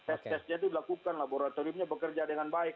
test testnya itu dilakukan laboratoriumnya bekerja dengan baik